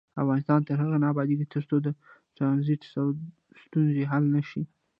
افغانستان تر هغو نه ابادیږي، ترڅو د ټرانزیت ستونزې حل نشي.